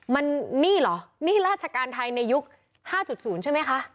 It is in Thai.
มันหนี้เหรอหนี้ราชการไทยในยุค๕๐ใช่ไหมคะ